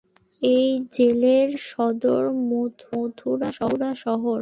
এই জেলার সদর মথুরা শহর।